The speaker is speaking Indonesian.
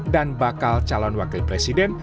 dan bakal calon wakil presiden